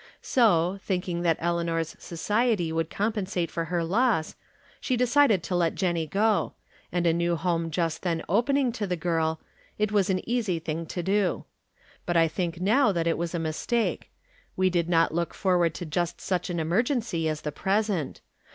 So, thinking that Eleanor's society would compen From Different Standpoints. 105 sate for her loss, she decided to let Jenny go ; and a new homo just then opening to the girl, it was an easy thing to do. But I think now it was a mistake. We did not look forward to just such an emergency as the present.